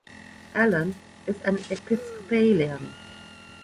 Allen is an Episcopalian.